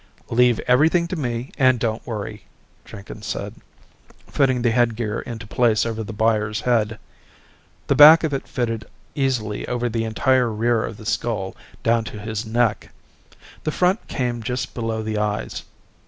"Leave everything to me and don't worry," Jenkins said, fitting the headgear into place over the buyer's head. The back of it fitted easily over the entire rear of the skull, down to his neck. The front came just below the eyes.